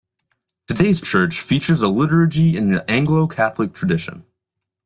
Today's church features a liturgy in the Anglo-Catholic tradition.